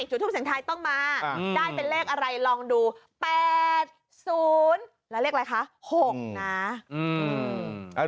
จุดทูปเสียงไทยต้องมาได้เป็นเลขอะไรลองดู๘๐แล้วเลขอะไรคะ๖นะ